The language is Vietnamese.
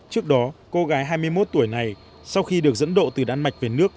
trước đó cô gái hai mươi một tuổi này sau khi được dẫn độ từ đan mạch về nước